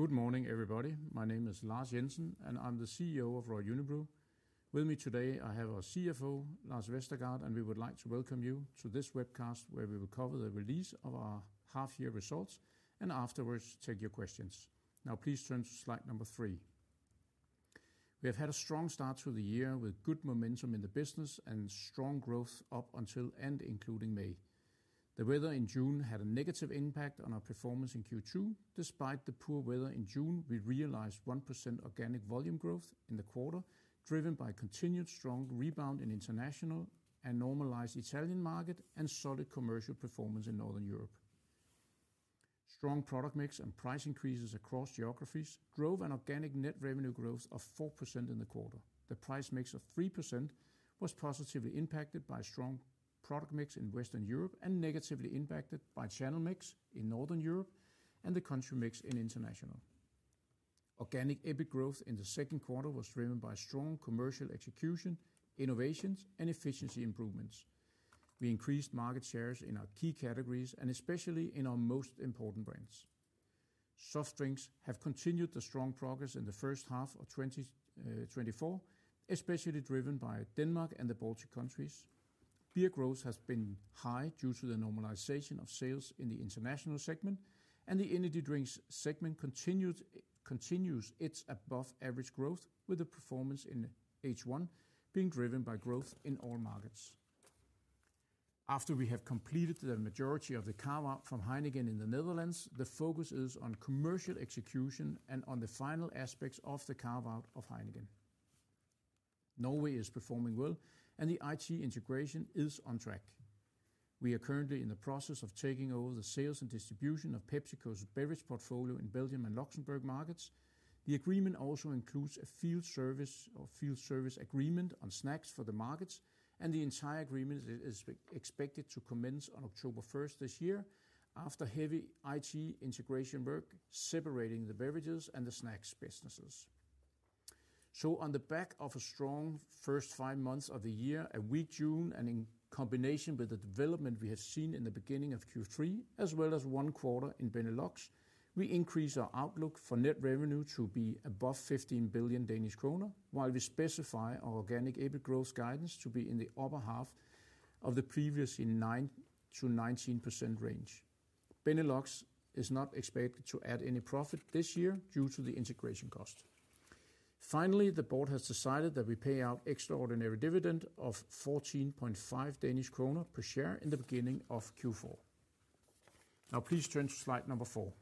Good morning, everybody. My name is Lars Jensen, and I'm the CEO of Royal Unibrew. With me today, I have our CFO, Lars Vestergaard, and we would like to welcome you to this webcast, where we will cover the release of our half-year results and afterwards take your questions. Now, please turn to slide number three. We have had a strong start to the year, with good momentum in the business and strong growth up until and including May. The weather in June had a negative impact on our performance in Q2. Despite the poor weather in June, we realized 1% organic volume growth in the quarter, driven by continued strong rebound in international and normalized Italian market and solid commercial performance in Northern Europe. Strong product mix and price increases across geographies drove an organic net revenue growth of 4% in the quarter. The price mix of 3% was positively impacted by strong product mix in Western Europe and negatively impacted by channel mix in Northern Europe and the country mix in International. Organic EBIT growth in the second quarter was driven by strong commercial execution, innovations, and efficiency improvements. We increased market shares in our key categories and especially in our most important brands. Soft drinks have continued the strong progress in the first half of 2024, especially driven by Denmark and the Baltic countries. Beer growth has been high due to the normalization of sales in the international segment, and the energy drinks segment continues its above-average growth, with the performance in H1 being driven by growth in all markets. After we have completed the majority of the carve-out from Heineken in the Netherlands, the focus is on commercial execution and on the final aspects of the carve-out of Heineken. Norway is performing well, and the IT integration is on track. We are currently in the process of taking over the sales and distribution of PepsiCo's beverage portfolio in Belgium and Luxembourg markets. The agreement also includes a field service agreement on snacks for the markets, and the entire agreement is expected to commence on October first this year, after heavy IT integration work, separating the beverages and the snacks businesses. So on the back of a strong first five months of the year, a weak June, and in combination with the development we have seen in the beginning of Q3, as well as one quarter in Benelux, we increase our outlook for net revenue to be above 15 billion Danish kroner, while we specify our organic EBIT growth guidance to be in the upper half of the previously 9%-19% range. Benelux is not expected to add any profit this year due to the integration cost. Finally, the board has decided that we pay out extraordinary dividend of 14.5 Danish kroner per share in the beginning of Q4. Now, please turn to slide 4.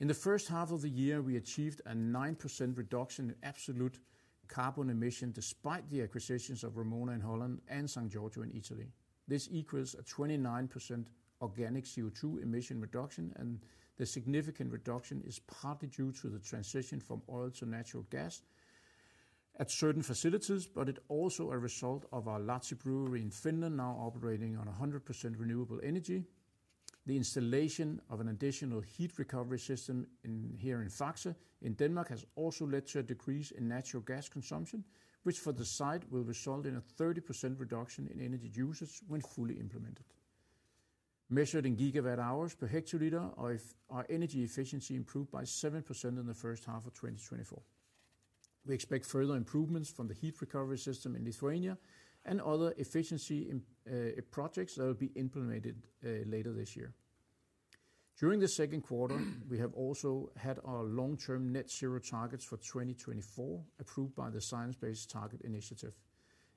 In the first half of the year, we achieved a 9% reduction in absolute carbon emission, despite the acquisitions of Vrumona in Holland and San Giorgio in Italy. This equals a 29% organic CO2 emission reduction, and the significant reduction is partly due to the transition from oil to natural gas at certain facilities, but it's also a result of our Lahti Brewery in Finland now operating on 100% renewable energy. The installation of an additional heat recovery system in here in Faxe, in Denmark, has also led to a decrease in natural gas consumption, which, for the site, will result in a 30% reduction in energy usage when fully implemented. Measured in gigawatt-hours per hectoliter, our energy efficiency improved by 7% in the first half of 2024. We expect further improvements from the heat recovery system in Lithuania and other efficiency projects that will be implemented later this year. During the second quarter, we have also had our long-term net zero targets for 2024, approved by the Science Based Targets initiative,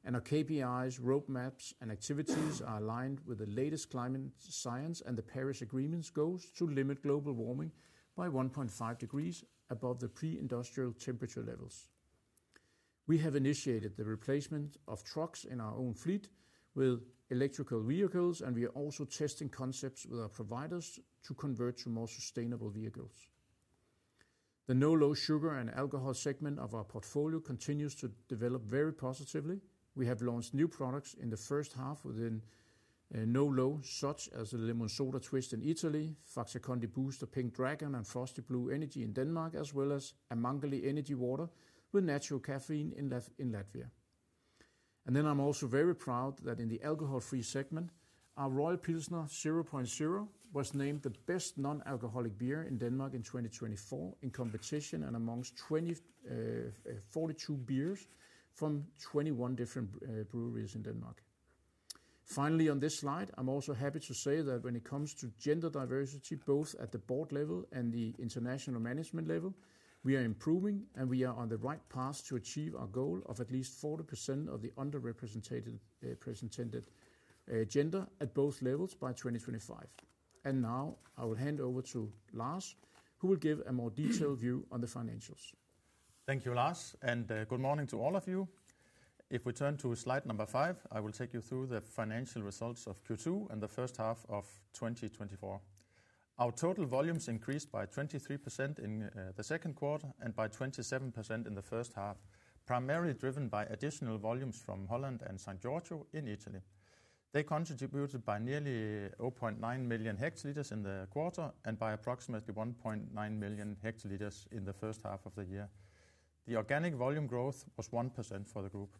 and our KPIs, roadmaps, and activities are aligned with the latest climate science and the Paris Agreement's goals to limit global warming by one point five degrees above the pre-industrial temperature levels. We have initiated the replacement of trucks in our own fleet with electrical vehicles, and we are also testing concepts with our providers to convert to more sustainable vehicles. The NoLo sugar and alcohol segment of our portfolio continues to develop very positively. We have launched new products in the first half within NoLo, such as the Lemonsoda Twist in Italy, Faxe Kondi Booster Pink Dragon and Frosty Blue Energy in Denmark, as well as a Mangali Energy Water with natural caffeine in Latvia. Then I'm also very proud that in the alcohol-free segment, our Royal Pilsner Zero Point Zero was named the best non-alcoholic beer in Denmark in 2024 in competition and amongst 24 beers from 21 different breweries in Denmark. Finally, on this slide, I'm also happy to say that when it comes to gender diversity, both at the board level and the international management level, we are improving, and we are on the right path to achieve our goal of at least 40% of the underrepresented gender at both levels by 2025. Now I will hand over to Lars, who will give a more detailed view on the financials. Thank you, Lars, and good morning to all of you. If we turn to slide number 5, I will take you through the financial results of Q2 and the first half of 2024. Our total volumes increased by 23% in the second quarter and by 27% in the first half, primarily driven by additional volumes from Holland and San Giorgio in Italy. They contributed by nearly 0.9 million hectoliters in the quarter and by approximately 1.9 million hectoliters in the first half of the year. The organic volume growth was 1% for the group.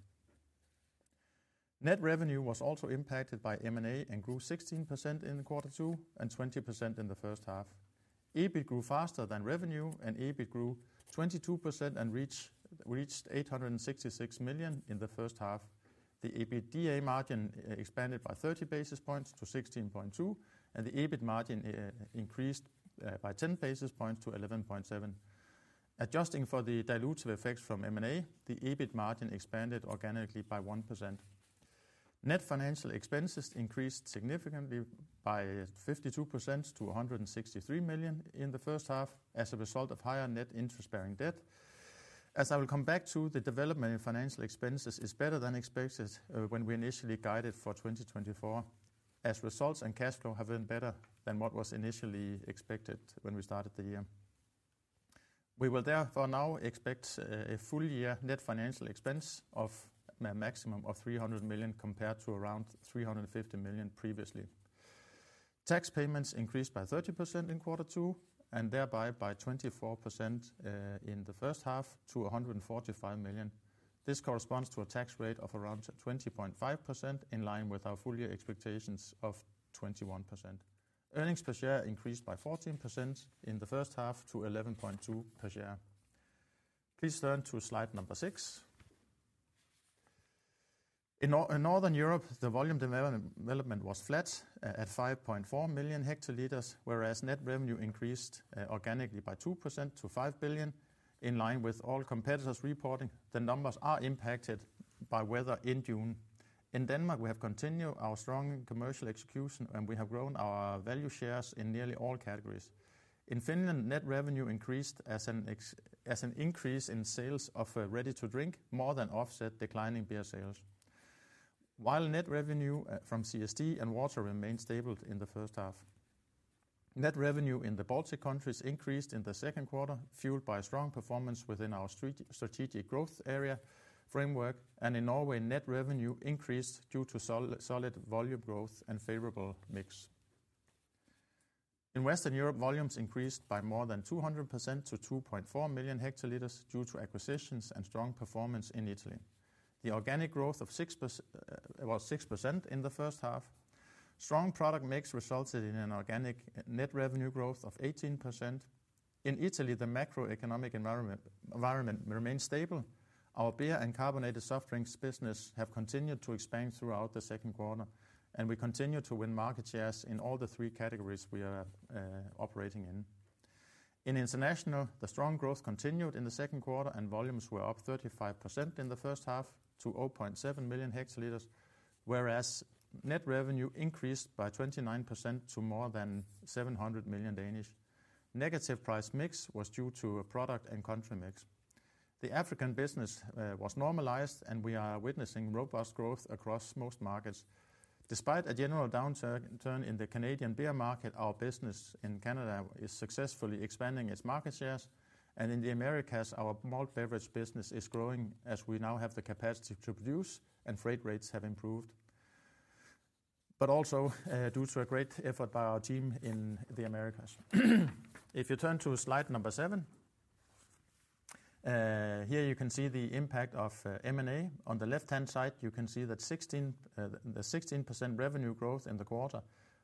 Net revenue was also impacted by M&A and grew 16% in the quarter two and 20% in the first half. EBIT grew faster than revenue, and EBIT grew 22% and reached 866 million in the first half. The EBITDA margin expanded by 30 basis points to 16.2, and the EBIT margin increased by 10 basis points to 11.7. Adjusting for the dilutive effects from M&A, the EBIT margin expanded organically by 1%. Net financial expenses increased significantly by 52% to 163 million in the first half, as a result of higher net interest-bearing debt. As I will come back to, the development in financial expenses is better than expected when we initially guided for 2024, as results and cash flow have been better than what was initially expected when we started the year. We will therefore now expect a full-year net financial expense of a maximum of 300 million, compared to around 350 million previously. Tax payments increased by 30% in quarter two, and thereby by 24%, in the first half to 145 million. This corresponds to a tax rate of around 20.5%, in line with our full-year expectations of 21%. Earnings per share increased by 14% in the first half to 11.2 per share. Please turn to slide number 6. In Northern Europe, the volume development was flat at 5.4 million hectoliters, whereas net revenue increased organically by 2% to 5 billion. In line with all competitors reporting, the numbers are impacted by weather in June. In Denmark, we have continued our strong commercial execution, and we have grown our value shares in nearly all categories. In Finland, net revenue increased as an increase in sales of ready-to-drink more than offset declining beer sales. While net revenue from CSD and water remained stable in the first half, net revenue in the Baltic countries increased in the second quarter, fueled by strong performance within our strategic growth area framework, and in Norway, net revenue increased due to solid volume growth and favorable mix. In Western Europe, volumes increased by more than 200% to 2.4 million hectoliters due to acquisitions and strong performance in Italy. The organic growth was 6% in the first half. Strong product mix resulted in an organic net revenue growth of 18%. In Italy, the macroeconomic environment remains stable. Our beer and carbonated soft drinks business have continued to expand throughout the second quarter, and we continue to win market shares in all the three categories we are operating in. In international, the strong growth continued in the second quarter, and volumes were up 35% in the first half to 0.7 million hectoliters, whereas net revenue increased by 29% to more than 700 million. Negative price mix was due to a product and country mix. The African business was normalized, and we are witnessing robust growth across most markets. Despite a general downturn in the Canadian beer market, our business in Canada is successfully expanding its market shares, and in the Americas, our malt beverage business is growing as we now have the capacity to produce and freight rates have improved. But also, due to a great effort by our team in the Americas. If you turn to slide number 7, here you can see the impact of M&A. On the left-hand side, you can see that 16% revenue growth in the quarter.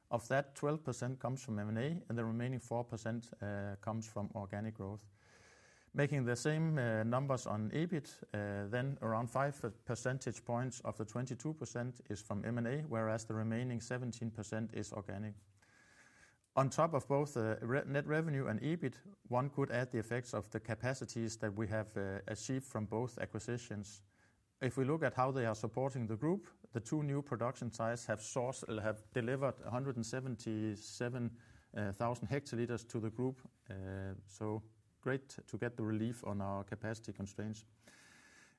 Of that, 12% comes from M&A, and the remaining 4% comes from organic growth. Making the same numbers on EBIT, then around five percentage points of the 22% is from M&A, whereas the remaining 17% is organic. On top of both net revenue and EBIT, one could add the effects of the capacities that we have achieved from both acquisitions. If we look at how they are supporting the group, the two new production sites have delivered 177,000 hectoliters to the group. So great to get the relief on our capacity constraints.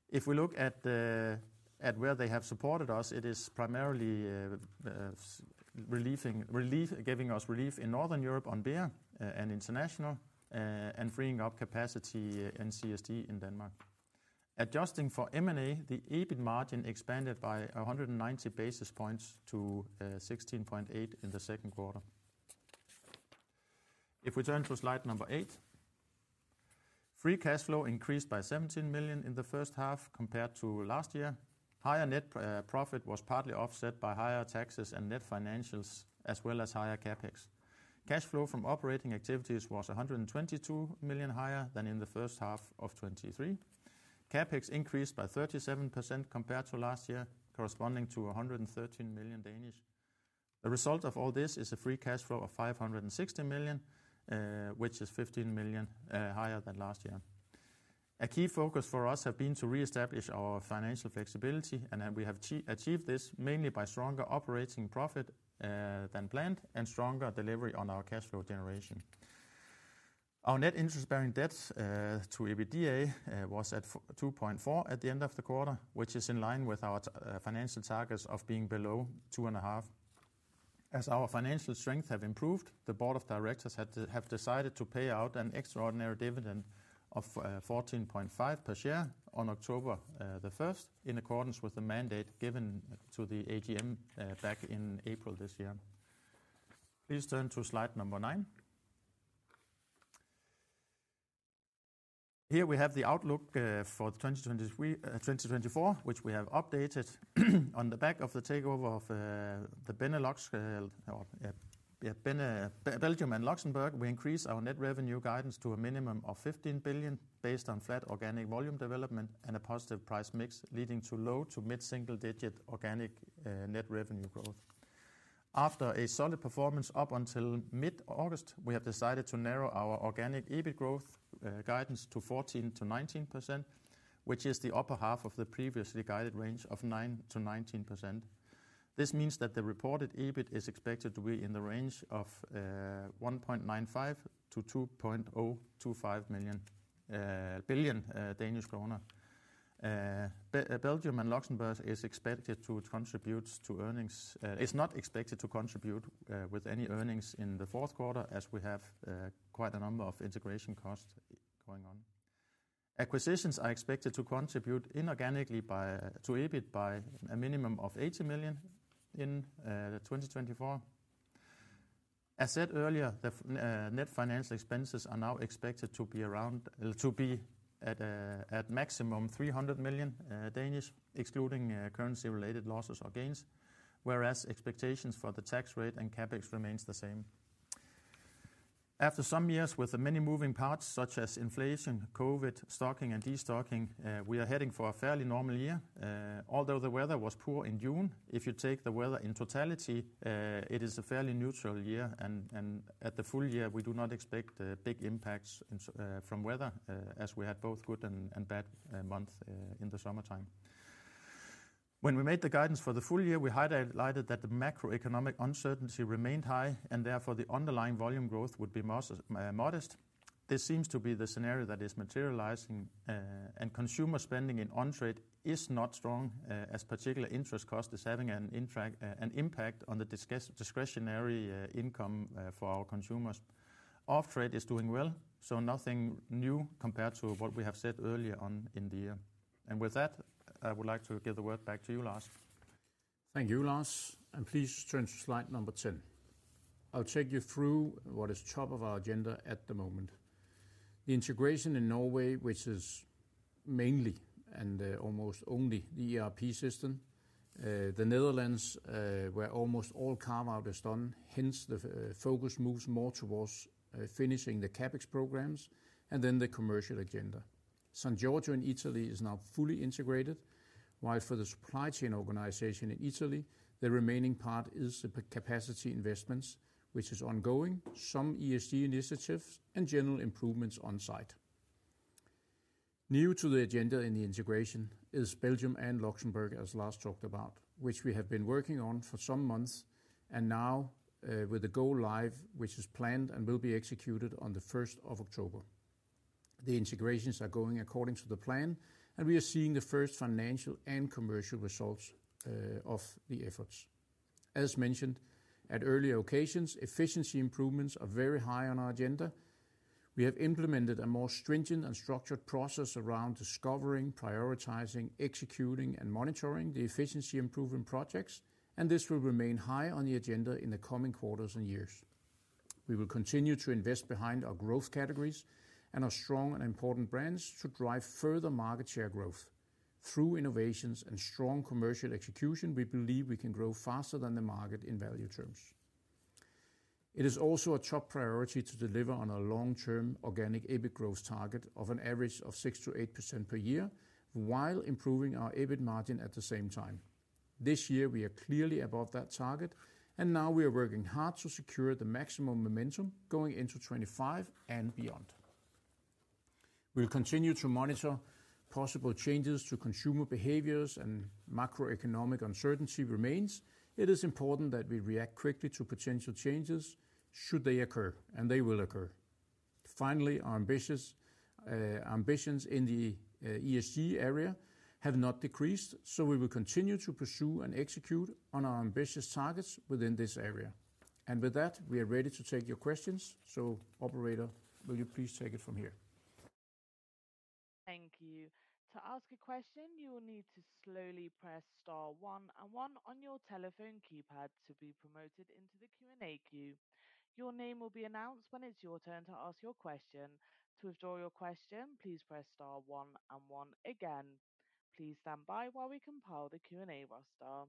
If we look at where they have supported us, it is primarily giving us relief in Northern Europe on beer and international, and freeing up capacity in CSD in Denmark. Adjusting for M&A, the EBIT margin expanded by 190 basis points to 16.8 in the second quarter. If we turn to slide 8, free cash flow increased by 17 million in the first half compared to last year. Higher net profit was partly offset by higher taxes and net financials, as well as higher CapEx. Cash flow from operating activities was 122 million higher than in the first half of 2023. CapEx increased by 37% compared to last year, corresponding to 113 million. The result of all this is a free cash flow of 560 million, which is 15 million higher than last year. A key focus for us have been to reestablish our financial flexibility, and we have achieved this mainly by stronger operating profit than planned, and stronger delivery on our cash flow generation. Our net interest-bearing debt to EBITDA was at 2.4 at the end of the quarter, which is in line with our financial targets of being below 2.5. As our financial strength have improved, the board of directors have decided to pay out an extraordinary dividend of 14.5 per share on October 1, in accordance with the mandate given to the AGM back in April this year. Please turn to slide number nine. Here we have the outlook for the 2023-2024, which we have updated. On the back of the takeover of the Benelux, or, yeah, Belgium and Luxembourg, we increased our net revenue guidance to a minimum of 15 billion, based on flat organic volume development and a positive price mix, leading to low- to mid-single-digit organic net revenue growth. After a solid performance up until mid-August, we have decided to narrow our organic EBIT growth guidance to 14%-19%, which is the upper half of the previously guided range of 9%-19%. This means that the reported EBIT is expected to be in the range of 1.95 billion-2.025 billion Danish kroner. Belgium and Luxembourg is expected to contribute to earnings, is not expected to contribute, with any earnings in the fourth quarter, as we have, quite a number of integration costs going on. Acquisitions are expected to contribute inorganically by, to EBIT by a minimum of 80 million in, the 2024. As said earlier, the, net financial expenses are now expected to be around. To be at, at maximum 300 million, Danish, excluding, currency-related losses or gains, whereas expectations for the tax rate and CapEx remains the same. After some years with the many moving parts, such as inflation, COVID, stocking, and destocking, we are heading for a fairly normal year. Although the weather was poor in June, if you take the weather in totality, it is a fairly neutral year, and at the full year, we do not expect big impacts from weather, as we had both good and bad month in the summertime. When we made the guidance for the full year, we highlighted that the macroeconomic uncertainty remained high, and therefore the underlying volume growth would be modest. This seems to be the scenario that is materializing, and consumer spending in on-trade is not strong, as particular interest cost is having an impact on the discretionary income for our consumers. Off-trade is doing well, so nothing new compared to what we have said earlier on in the year. With that, I would like to give the word back to you, Lars. Thank you, Lars, and please turn to slide number 10. I'll take you through what is top of our agenda at the moment. The integration in Norway, which is mainly, and, almost only the ERP system, the Netherlands, where almost all carve-out is done, hence the, focus moves more towards, finishing the CapEx programs and then the commercial agenda. San Giorgio in Italy is now fully integrated, while for the supply chain organization in Italy, the remaining part is the capacity investments, which is ongoing, some ESG initiatives, and general improvements on site. New to the agenda in the integration is Belgium and Luxembourg, as Lars talked about, which we have been working on for some months, and now, with the go live, which is planned and will be executed on the first of October. The integrations are going according to the plan, and we are seeing the first financial and commercial results of the efforts. As mentioned at earlier occasions, efficiency improvements are very high on our agenda. We have implemented a more stringent and structured process around discovering, prioritizing, executing, and monitoring the efficiency improvement projects, and this will remain high on the agenda in the coming quarters and years. We will continue to invest behind our growth categories and our strong and important brands to drive further market share growth. Through innovations and strong commercial execution, we believe we can grow faster than the market in value terms. It is also a top priority to deliver on our long-term organic EBIT growth target of an average of 6%-8% per year, while improving our EBIT margin at the same time. This year, we are clearly above that target, and now we are working hard to secure the maximum momentum going into 2025 and beyond. We'll continue to monitor possible changes to consumer behaviors, and macroeconomic uncertainty remains. It is important that we react quickly to potential changes should they occur, and they will occur. Finally, our ambitious ambitions in the ESG area have not decreased, so we will continue to pursue and execute on our ambitious targets within this area. And with that, we are ready to take your questions. So operator, will you please take it from here? Thank you. To ask a question, you will need to slowly press star one and one on your telephone keypad to be prompted into the Q&A queue. Your name will be announced when it's your turn to ask your question. To withdraw your question, please press star one and one again. Please stand by while we compile the Q&A roster.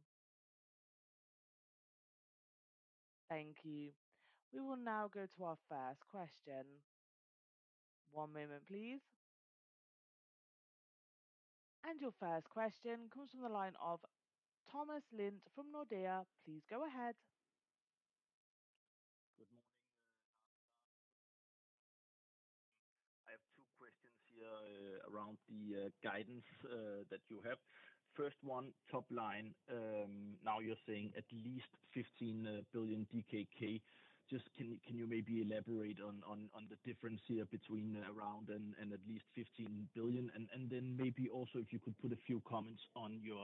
Thank you. We will now go to our first question. One moment, please. Your first question comes from the line of Thomas Lind from Nordea. Please go ahead. Good morning, Lars. I have two questions here around the guidance that you have. First one, top line. Now you're saying at least 15 billion DKK. Just can you maybe elaborate on the difference here between around and at least 15 billion? And then maybe also if you could put a few comments on your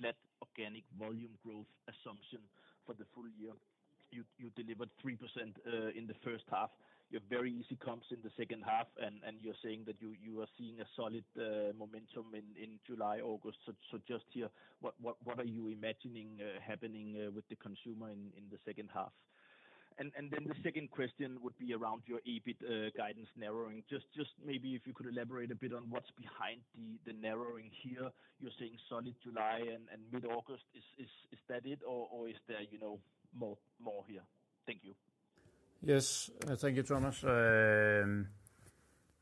flat organic volume growth assumption for the full year. You delivered 3% in the first half. You have very easy comps in the second half, and you're saying that you are seeing a solid momentum in July, August. So just here, what are you imagining happening with the consumer in the second half? Then the second question would be around your EBIT guidance narrowing. Just maybe if you could elaborate a bit on what's behind the narrowing here. You're saying solid July and mid-August. Is that it, or is there, you know, more here? Thank you. Yes. Thank you, Thomas.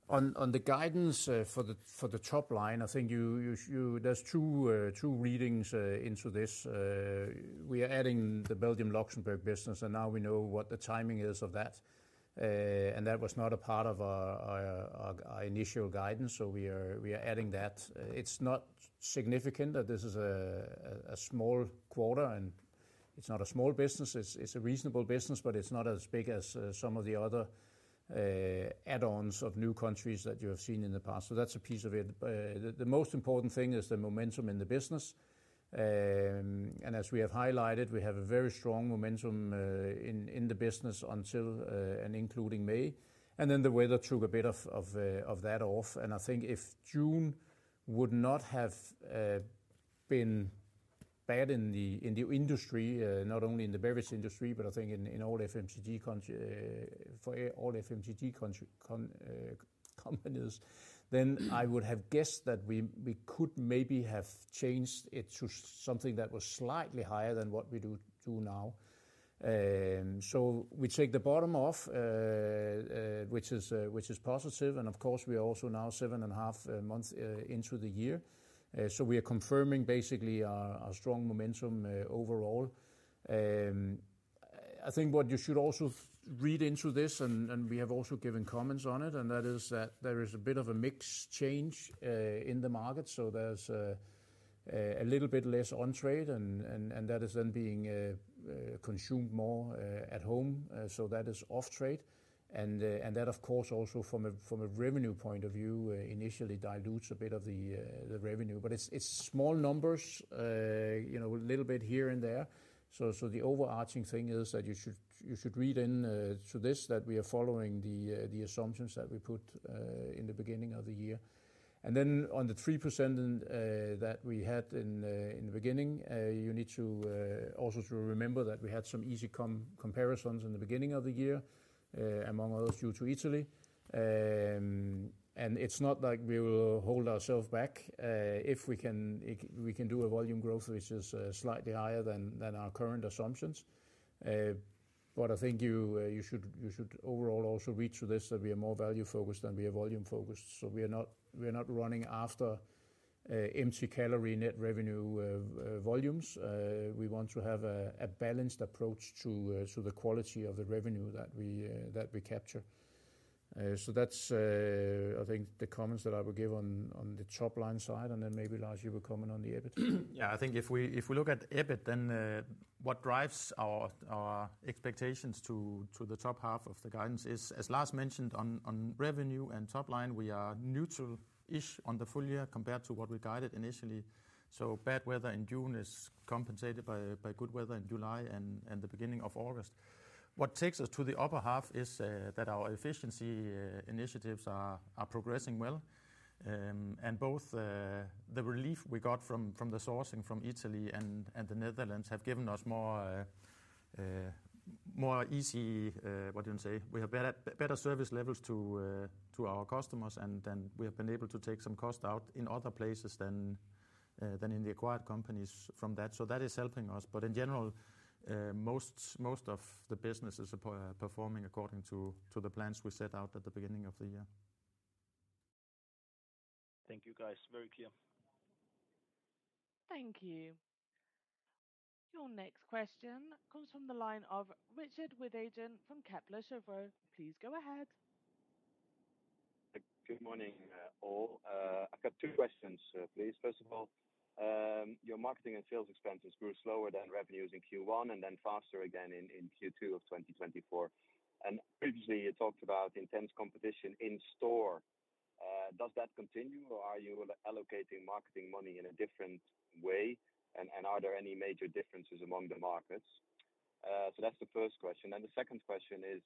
On the guidance for the top line, I think there's two readings into this. We are adding the Belgium-Luxembourg business, and now we know what the timing is of that. And that was not a part of our initial guidance, so we are adding that. It's not significant that this is a small quarter, and it's not a small business. It's a reasonable business, but it's not as big as some of the other add-ons of new countries that you have seen in the past. So that's a piece of it. The most important thing is the momentum in the business. And as we have highlighted, we have a very strong momentum in the business until and including May. And then the weather took a bit of that off, and I think if June would not have been bad in the industry, not only in the beverage industry, but I think in all FMCG country, for all FMCG country, companies, then I would have guessed that we could maybe have changed it to something that was slightly higher than what we do now. So we take the bottom off, which is positive, and of course, we are also now seven and a half months into the year. So we are confirming basically our strong momentum overall. I think what you should also read into this, and we have also given comments on it, and that is that there is a bit of a mix change in the market. So there's a little bit less on trade, and that is then being consumed more at home. So that is off trade. And that, of course, also from a revenue point of view, initially dilutes a bit of the revenue, but it's small numbers, you know, a little bit here and there. So the overarching thing is that you should read into this, that we are following the assumptions that we put in the beginning of the year. And then on the 3%, and that we had in the beginning, you need to also remember that we had some easy comparisons in the beginning of the year, among others, due to Italy. And it's not like we will hold ourselves back, if we can do a volume growth, which is slightly higher than our current assumptions. But I think you should overall also read through this, that we are more value-focused than we are volume-focused. So we are not running after empty calorie net revenue volumes. We want to have a balanced approach to the quality of the revenue that we capture. So that's, I think, the comments that I would give on the top-line side, and then maybe, Lars, you would comment on the EBIT. Yeah, I think if we look at EBIT, then what drives our expectations to the top half of the guidance is, as Lars mentioned, on revenue and top line, we are neutral-ish on the full year compared to what we guided initially. So bad weather in June is compensated by good weather in July and the beginning of August. What takes us to the upper half is that our efficiency initiatives are progressing well. And both the relief we got from the sourcing from Italy and the Netherlands have given us more easy, what do you say? We have better service levels to our customers, and then we have been able to take some cost out in other places than in the acquired companies from that. So that is helping us. But in general, most of the business is performing according to the plans we set out at the beginning of the year. Thank you, guys. Very clear. Thank you. Your next question comes from the line of Richard Withagen from Kepler Cheuvreux. Please go ahead. Good morning, all. I've got two questions, please. First of all, your marketing and sales expenses grew slower than revenues in Q1 and then faster again in Q2 of 2024. And previously, you talked about intense competition in store. Does that continue, or are you allocating marketing money in a different way? And are there any major differences among the markets? So that's the first question. And the second question is,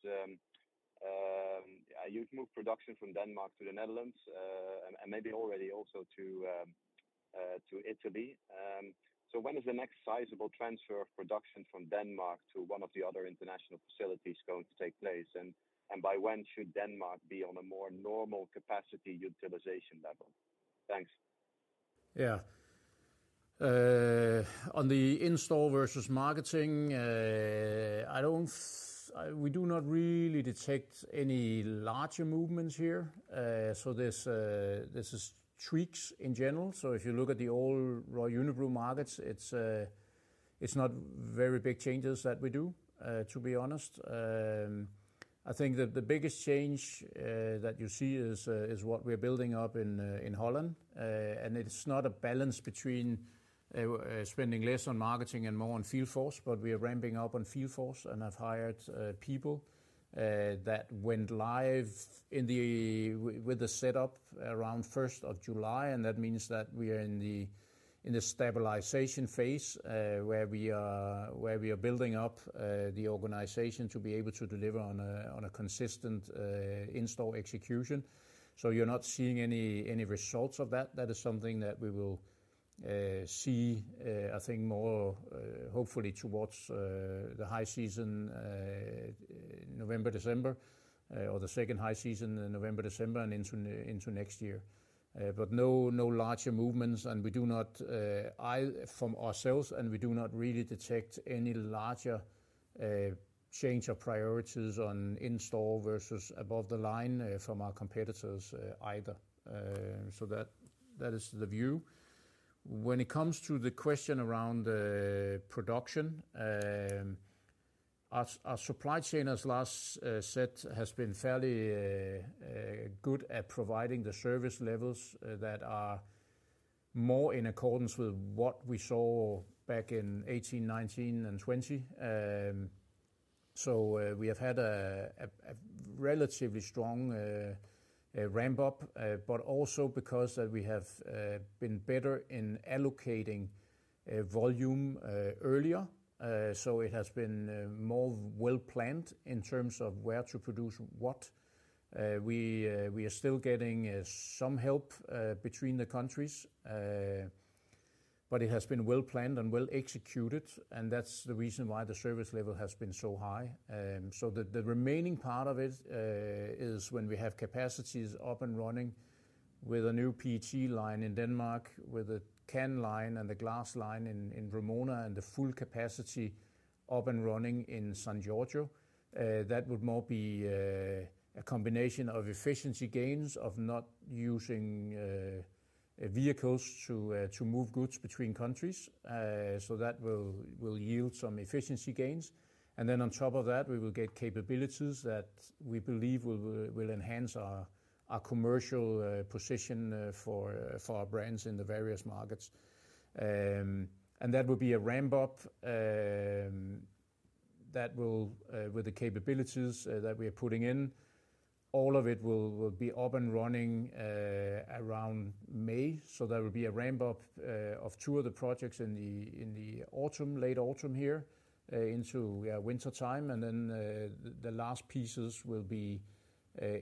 you've moved production from Denmark to the Netherlands, and maybe already also to Italy. So when is the next sizable transfer of production from Denmark to one of the other international facilities going to take place? And by when should Denmark be on a more normal capacity utilization level? Thanks. Yeah. On the in-store versus marketing, I don't. We do not really detect any larger movements here. So this is tweaks in general. So if you look at the old Royal Unibrew markets, it's not very big changes that we do, to be honest. I think that the biggest change that you see is what we're building up in Holland, and it's not a balance between spending less on marketing and more on field force, but we are ramping up on field force, and I've hired people that went live with the setup around 1st of July, and that means that we are in the stabilization phase, where we are building up the organization to be able to deliver on a consistent in-store execution. So you're not seeing any results of that. That is something that we will see. I think more, hopefully towards the high season, November, December, or the second high season in November, December, and into next year. But no larger movements, and we do not see from ourselves, and we do not really detect any larger change of priorities on in-store versus above the line from our competitors, either. So that is the view. When it comes to the question around production, our supply chain, as Lars said, has been fairly good at providing the service levels that are more in accordance with what we saw back in 2018, 2019, and 2020. So, we have had a relatively strong ramp-up, but also because we have been better in allocating volume earlier. So it has been more well-planned in terms of where to produce what. We are still getting some help between the countries. But it has been well-planned and well-executed, and that's the reason why the service level has been so high. So the remaining part of it is when we have capacities up and running with a new PET line in Denmark, with a can line and the glass line in Vrumona, and the full capacity up and running in San Giorgio. That would more be a combination of efficiency gains of not using vehicles to move goods between countries. So that will yield some efficiency gains, and then on top of that, we will get capabilities that we believe will enhance our commercial position for our brands in the various markets. And that will be a ramp-up that will with the capabilities that we are putting in. All of it will be up and running around May. So there will be a ramp-up of two of the projects in the autumn, late autumn here into wintertime. And then the last pieces will be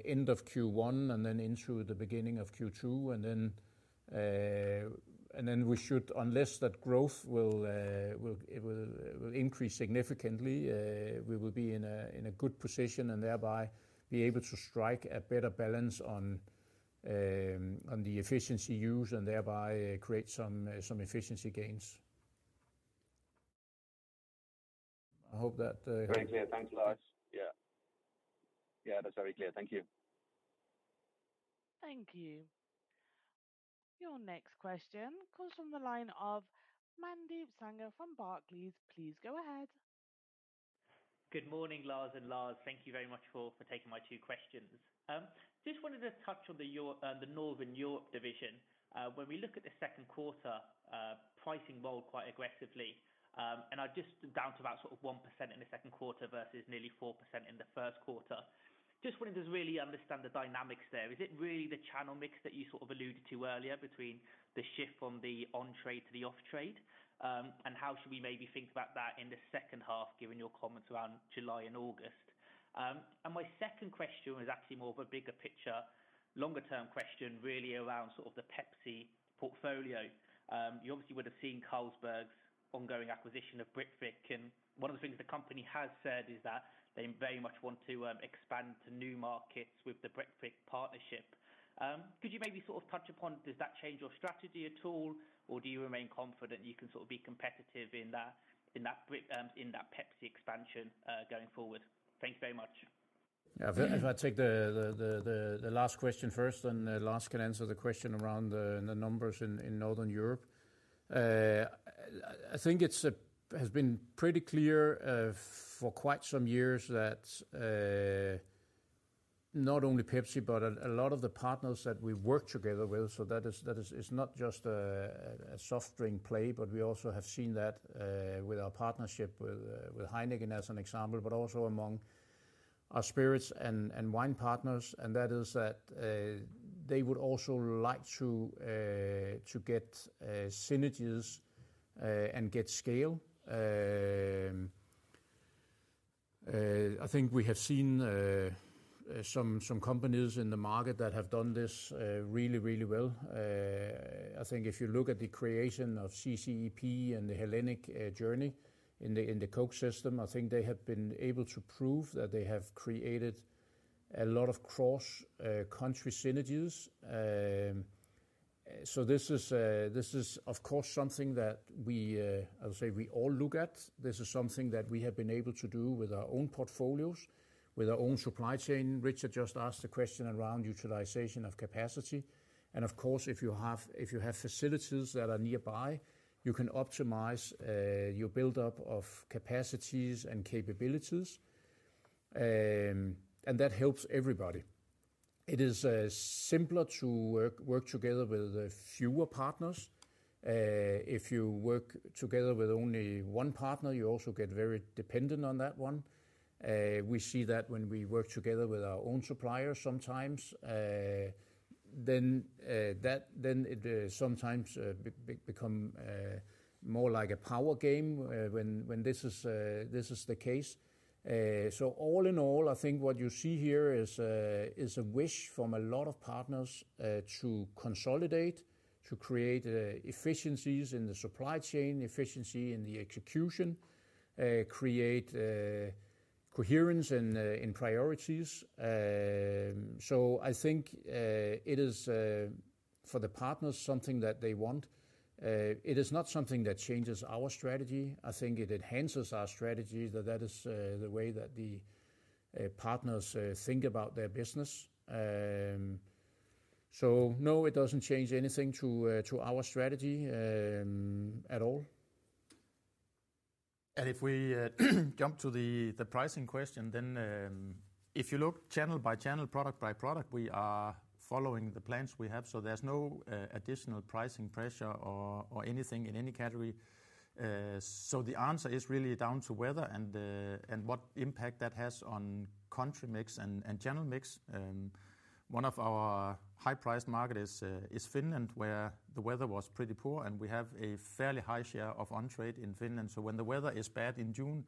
end of Q1 and then into the beginning of Q2. And then we should, unless that growth will increase significantly, we will be in a good position and thereby be able to strike a better balance on the efficiency use and thereby create some efficiency gains. I hope that Very clear. Thanks, Lars. Yeah. Yeah, that's very clear. Thank you. Thank you. Your next question comes from the line of Mandeep Sangha from Barclays. Please go ahead. Good morning, Lars and Lars. Thank you very much for, for taking my two questions. Just wanted to touch on the Northern Europe division. When we look at the second quarter, pricing rolled quite aggressively, and are just down to about sort of 1% in the second quarter versus nearly 4% in the first quarter. Just wanted to really understand the dynamics there. Is it really the channel mix that you sort of alluded to earlier between the shift from the on-trade to the off-trade? And how should we maybe think about that in the second half, given your comments around July and August? And my second question was actually more of a bigger picture, longer-term question, really around sort of the Pepsi portfolio. You obviously would have seen Carlsberg's ongoing acquisition of Britvic, and one of the things the company has said is that they very much want to expand to new markets with the Britvic partnership. Could you maybe sort of touch upon, does that change your strategy at all, or do you remain confident you can sort of be competitive in that Britvic Pepsi expansion going forward? Thank you very much. Yeah. If I take the last question first, and then Lars can answer the question around the numbers in Northern Europe. I think it has been pretty clear for quite some years that not only Pepsi, but a lot of the partners that we work together with. So that is - it's not just a soft drink play, but we also have seen that with our partnership with Heineken, as an example, but also among our spirits and wine partners, and that they would also like to get synergies and get scale. I think we have seen some companies in the market that have done this really well. I think if you look at the creation of CCEP and the Hellenic journey in the Coke system, I think they have been able to prove that they have created a lot of cross-country synergies. So this is, of course, something that we, I'll say we all look at. This is something that we have been able to do with our own portfolios, with our own supply chain. Richard just asked a question around utilization of capacity, and of course, if you have facilities that are nearby, you can optimize your build-up of capacities and capabilities, and that helps everybody. It is simpler to work together with fewer partners. If you work together with only one partner, you also get very dependent on that one. We see that when we work together with our own suppliers sometimes, then it sometimes become more like a power game, when this is the case. So all in all, I think what you see here is a wish from a lot of partners to consolidate, to create efficiencies in the supply chain, efficiency in the execution, create coherence in priorities. So I think it is for the partners something that they want. It is not something that changes our strategy. I think it enhances our strategy, that is the way that the partners think about their business. So no, it doesn't change anything to our strategy at all. If we jump to the pricing question, then if you look channel by channel, product by product, we are following the plans we have, so there is no additional pricing pressure or anything in any category. The answer is really down to weather and what impact that has on country mix and channel mix. One of our high-priced markets is Finland, where the weather was pretty poor, and we have a fairly high share of on-trade in Finland. When the weather is bad in June,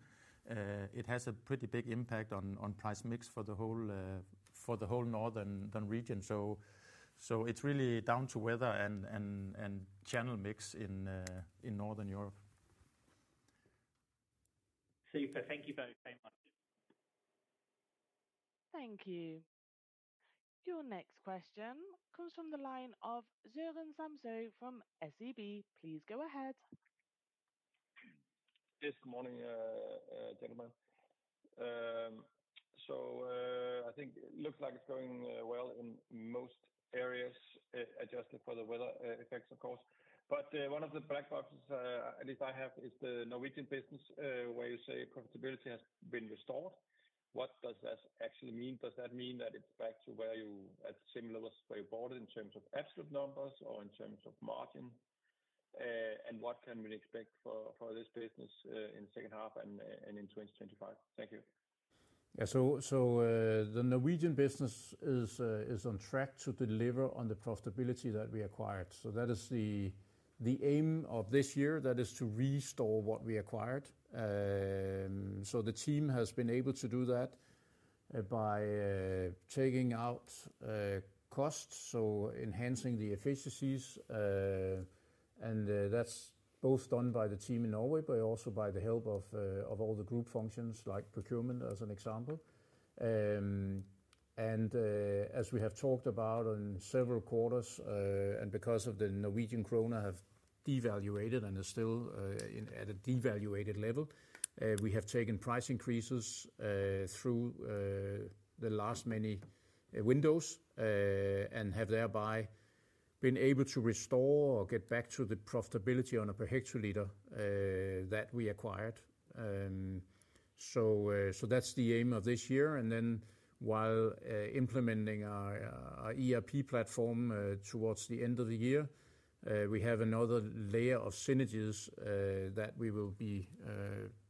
it has a pretty big impact on price mix for the whole northern region. It is really down to weather and channel mix in Northern Europe. Super. Thank you both very much. Thank you. Your next question comes from the line of Søren Samsø from SEB. Please go ahead. Yes, good morning, gentlemen. So, I think it looks like it's going well in most areas, adjusted for the weather effects, of course. But one of the black boxes, at least I have, is the Norwegian business, where you say profitability has been restored. What does that actually mean? Does that mean that it's back to where you at similar was, where you bought it in terms of absolute numbers or in terms of margin? And what can we expect for this business in second half and in 2025? Thank you. Yeah. So, the Norwegian business is on track to deliver on the profitability that we acquired. So that is the aim of this year, that is to restore what we acquired. So the team has been able to do that by taking out costs, so enhancing the efficiencies. And that's both done by the team in Norway, but also by the help of all the group functions like procurement, as an example. And as we have talked about on several quarters, and because of the Norwegian kroner have devalued and are still at a devalued level, we have taken price increases through the last many windows, and have thereby been able to restore or get back to the profitability on a per hectoliter that we acquired. So that's the aim of this year, and then while implementing our ERP platform towards the end of the year, we have another layer of synergies that we will be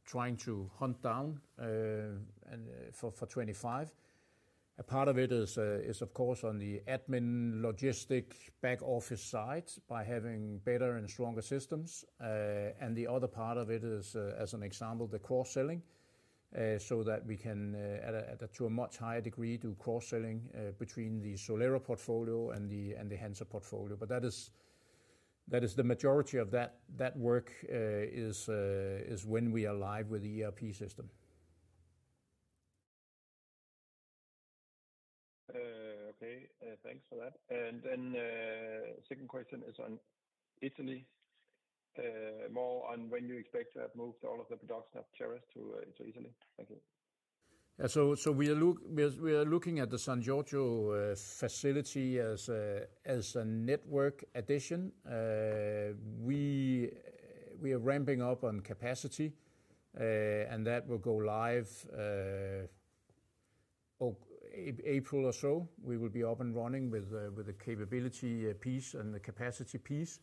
trying to hunt down and for 2025. A part of it is, of course, on the admin, logistics, back office side, by having better and stronger systems, and the other part of it is, as an example, the cross-selling so that we can to a much higher degree do cross-selling between the Solera portfolio and the Hansa portfolio. But that is the majority of that work is when we are live with the ERP system. Okay. Thanks for that. And then, second question is on Italy, more on when you expect to have moved all of the production of Ceres to Italy. Thank you. Yeah. So we are looking at the San Giorgio facility as a network addition. We are ramping up on capacity, and that will go live in April or so. We will be up and running with the capability piece and the capacity piece.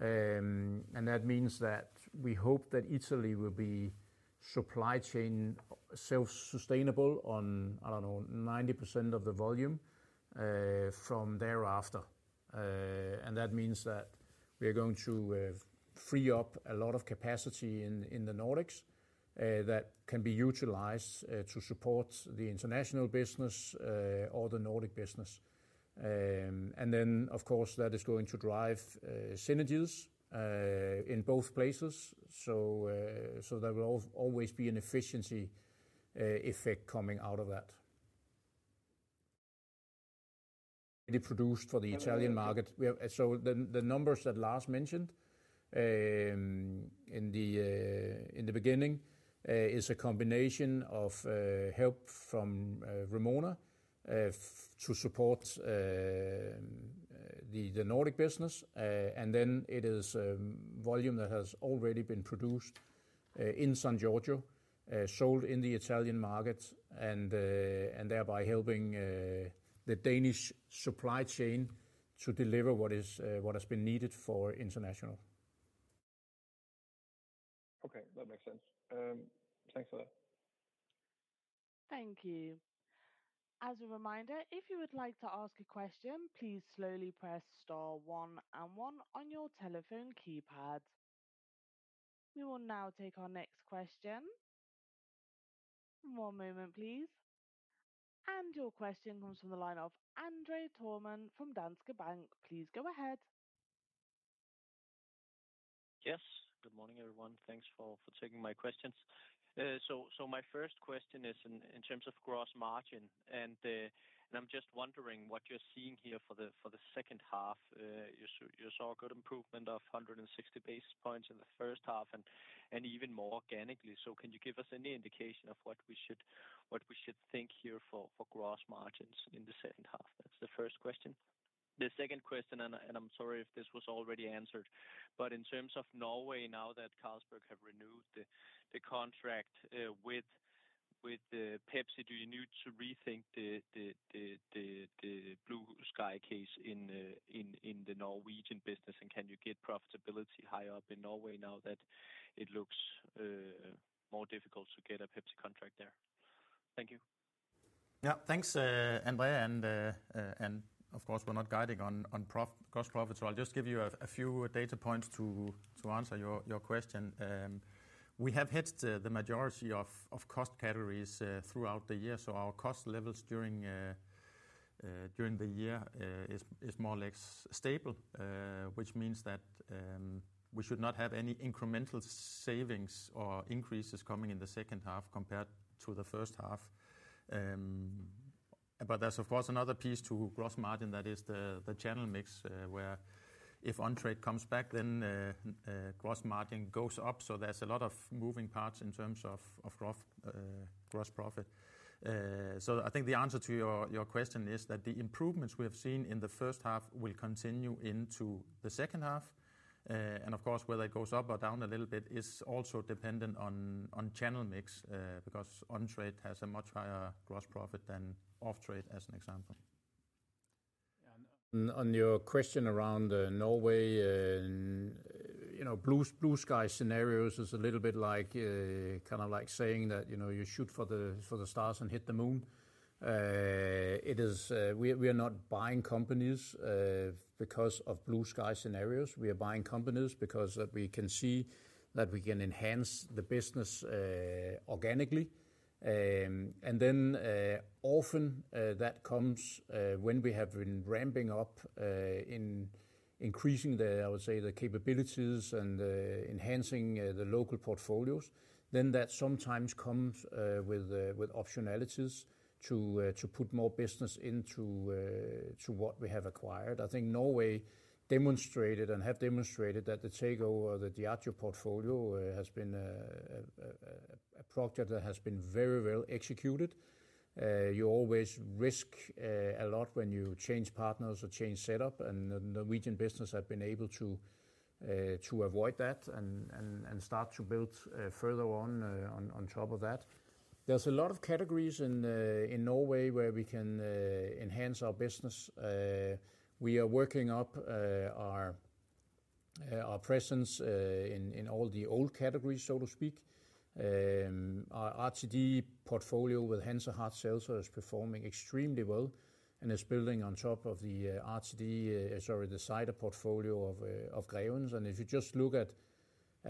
And that means that we hope that Italy will be supply chain self-sustainable on, I don't know, 90% of the volume from thereafter. And that means that we are going to free up a lot of capacity in the Nordics that can be utilized to support the international business or the Nordic business. And then, of course, that is going to drive synergies in both places. So there will always be an efficiency effect coming out of that. It produced for the Italian market. The numbers that Lars mentioned in the beginning is a combination of help from Vrumona to support the Nordic business, and then it is volume that has already been produced in San Giorgio, sold in the Italian market, and thereby helping the Danish supply chain to deliver what is what has been needed for international. Okay, that makes sense. Thanks for that. Thank you. As a reminder, if you would like to ask a question, please slowly press star one and one on your telephone keypad. We will now take our next question. One moment, please. And your question comes from the line of André Thormann from Danske Bank. Please go ahead. Yes, good morning, everyone. Thanks for taking my questions. So my first question is in terms of gross margin, and I'm just wondering what you're seeing here for the second half. You saw a good improvement of 160 basis points in the first half and even more organically. So can you give us any indication of what we should think here for gross margins in the second half? That's the first question. The second question, and I'm sorry if this was already answered, but in terms of Norway, now that Carlsberg have renewed the contract with the Pepsi, do you need to rethink the blue sky case in the Norwegian business? Can you get profitability higher up in Norway now that it looks more difficult to get a Pepsi contract there? Thank you. Yeah, thanks, Andre, and of course, we're not guiding on gross profit, so I'll just give you a few data points to answer your question. We have hit the majority of cost categories throughout the year, so our cost levels during the year is more or less stable. Which means that we should not have any incremental savings or increases coming in the second half compared to the first half. But there's, of course, another piece to gross margin that is the channel mix, where if on-trade comes back, then gross margin goes up. So there's a lot of moving parts in terms of growth, gross profit. So I think the answer to your question is that the improvements we have seen in the first half will continue into the second half. And of course, whether it goes up or down a little bit is also dependent on channel mix, because on-trade has a much higher gross profit than off-trade, as an example. Yeah, and on your question around Norway, you know, blue sky scenarios is a little bit like kind of like saying that, you know, you shoot for the stars and hit the moon. It is. We are not buying companies because of blue sky scenarios. We are buying companies because that we can see that we can enhance the business organically. And then, often, that comes when we have been ramping up in increasing the, I would say, the capabilities and enhancing the local portfolios, then that sometimes comes with optionalities to put more business into what we have acquired. I think Norway demonstrated and have demonstrated that the takeover, the Diageo portfolio, has been a project that has been very well executed. You always risk a lot when you change partners or change setup, and the Norwegian business have been able to avoid that and start to build further on, on top of that. There's a lot of categories in Norway where we can enhance our business. We are working up our presence in all the old categories, so to speak. Our RTD portfolio with Hansa Hard Seltzer is performing extremely well and is building on top of the RTD, sorry, the cider portfolio of Grevens. If you just look at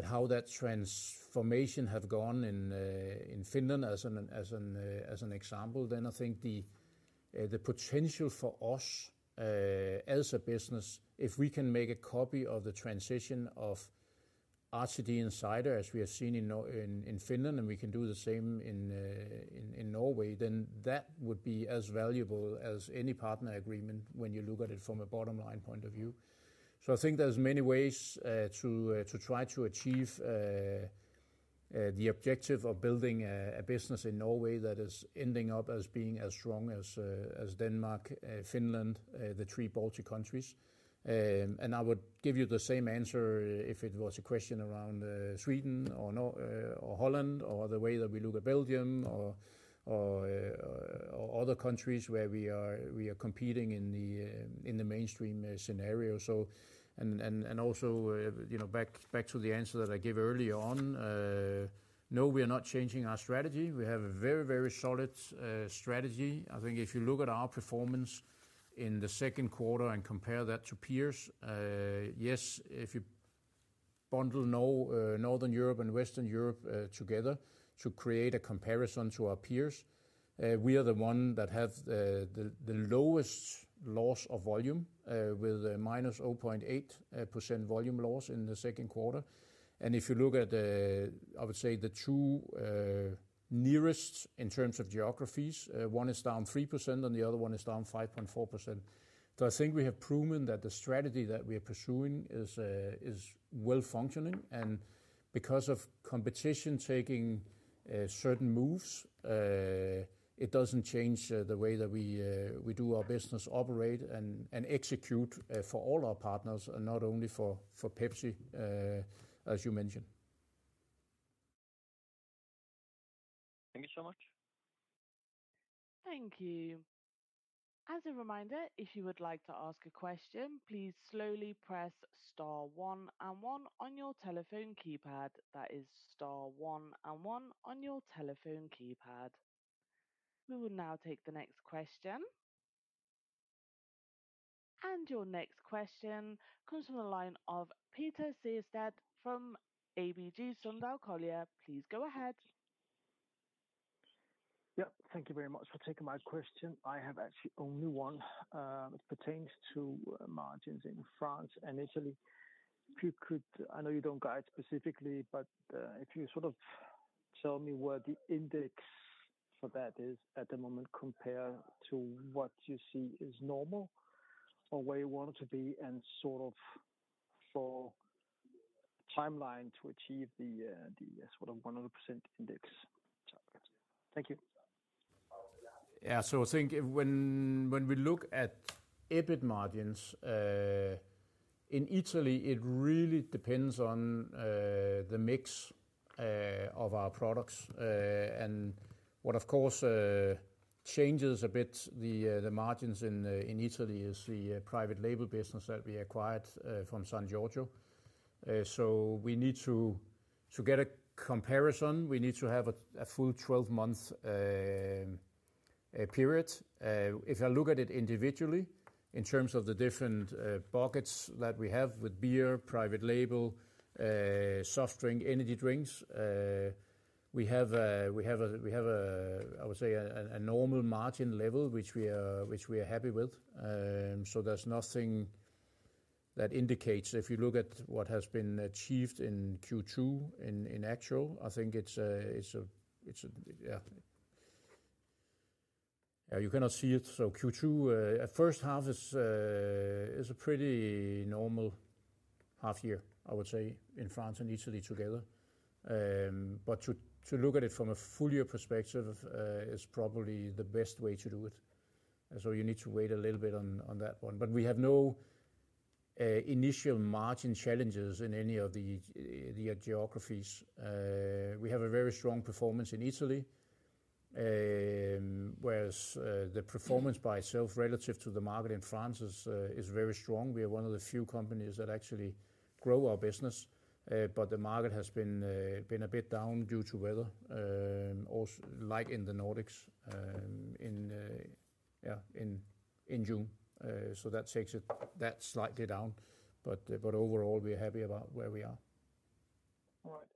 how that transformation have gone in Finland as an example, then I think the potential for us as a business, if we can make a copy of the transition of RTD and cider, as we have seen in Finland, and we can do the same in Norway, then that would be as valuable as any partner agreement when you look at it from a bottom-line point of view. So I think there's many ways to try to achieve the objective of building a business in Norway that is ending up as being as strong as Denmark, Finland, the three Baltic countries. And I would give you the same answer if it was a question around Sweden or Norway or Holland, or the way that we look at Belgium or other countries where we are competing in the mainstream scenario. And also, you know, back to the answer that I gave earlier on, no, we are not changing our strategy. We have a very, very solid strategy. I think if you look at our performance in the second quarter and compare that to peers, yes, if you bundle Northern Europe and Western Europe together to create a comparison to our peers, we are the one that have the lowest loss of volume, with a -0.8% volume loss in the second quarter. And if you look at the I would say the two nearest in terms of geographies, one is down 3% and the other one is down 5.4%. So I think we have proven that the strategy that we are pursuing is well functioning, and because of competition taking certain moves, it doesn't change the way that we do our business, operate, and execute for all our partners, and not only for Pepsi, as you mentioned. Thank you so much. Thank you. As a reminder, if you would like to ask a question, please slowly press star one and one on your telephone keypad. That is star one and one on your telephone keypad. We will now take the next question. And your next question comes from the line of Peter Sehested from ABG Sundal Collier. Please go ahead. Yep. Thank you very much for taking my question. I have actually only one. It pertains to margins in France and Italy. If you could I know you don't guide specifically, but if you sort of tell me where the index for that is at the moment compared to what you see is normal or where you want it to be, and sort of for timeline to achieve the sort of 100% index. Thank you. Yeah. So I think when we look at EBIT margins in Italy, it really depends on the mix of our products. And what, of course, changes a bit the margins in Italy is the private label business that we acquired from San Giorgio. So we need to get a comparison, we need to have a full twelve-month period. If I look at it individually, in terms of the different buckets that we have with beer, private label, soft drink, energy drinks, we have a normal margin level, which we are happy with. So there's nothing that indicates if you look at what has been achieved in Q2 in actual. I think it's a yeah. Yeah, you cannot see it, so Q2 at first half is a pretty normal half year, I would say, in France and Italy together. But to look at it from a full year perspective is probably the best way to do it. So you need to wait a little bit on that one. But we have no initial margin challenges in any of the geographies. We have a very strong performance in Italy, whereas the performance by itself relative to the market in France is very strong. We are one of the few companies that actually grow our business, but the market has been a bit down due to weather, also like in the Nordics, in June. So that takes it slightly down. But overall, we are happy about where we are. All right.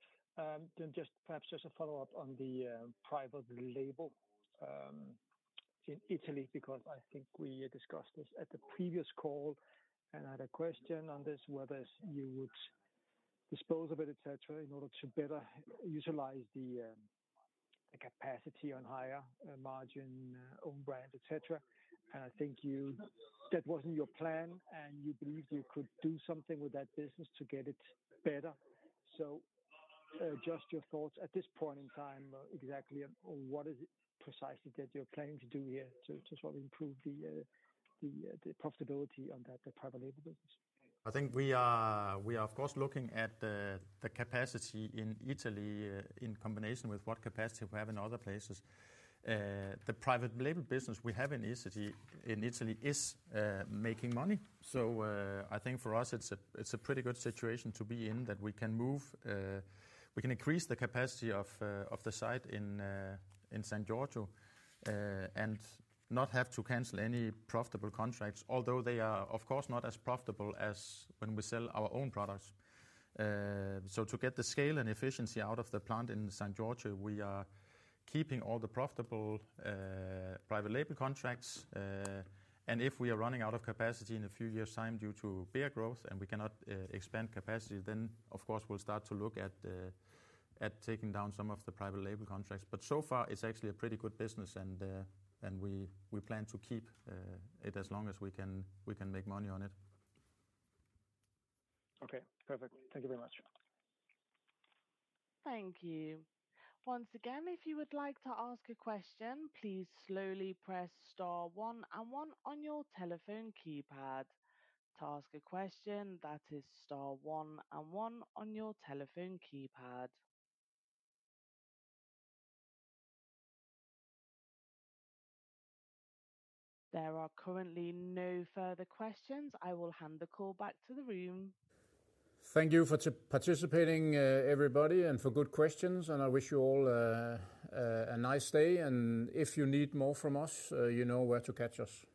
Then just perhaps a follow-up on the private label in Italy, because I think we discussed this at the previous call, and I had a question on this, whether you would dispose of it, et cetera, in order to better utilize the capacity on higher margin, own brand, et cetera. And I think you, that wasn't your plan, and you believed you could do something with that business to get it better. So just your thoughts at this point in time, exactly on what is it precisely that you're planning to do here to sort of improve the profitability on that, the private label business? I think we are, of course, looking at the capacity in Italy in combination with what capacity we have in other places. The private label business we have in Italy is making money. So, I think for us, it's a pretty good situation to be in, that we can increase the capacity of the site in San Giorgio and not have to cancel any profitable contracts, although they are, of course, not as profitable as when we sell our own products. So to get the scale and efficiency out of the plant in San Giorgio, we are keeping all the profitable private label contracts. And if we are running out of capacity in a few years' time due to beer growth and we cannot expand capacity, then, of course, we'll start to look at taking down some of the private label contracts. But so far, it's actually a pretty good business, and we plan to keep it as long as we can make money on it. Okay, perfect. Thank you very much. Thank you. Once again, if you would like to ask a question, please slowly press star one and one on your telephone keypad. To ask a question, that is star one and one on your telephone keypad. There are currently no further questions. I will hand the call back to the room. Thank you for participating, everybody, and for good questions, and I wish you all a nice day, and if you need more from us, you know where to catch us.